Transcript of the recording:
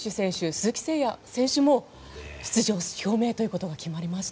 鈴木誠也選手も出場表明ということが決まりました。